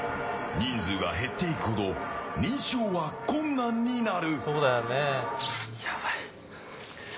人数が減っていくほど認証は困難になる。